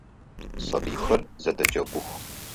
Сабыйхэр зэдэджэгух.